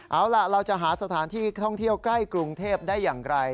เอาล่ะเราจะหาสถานที่ท่องเที่ยวใกล้กรุงเทพได้อย่างไร